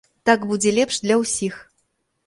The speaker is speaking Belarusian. Так будзе лепш для ўсіх.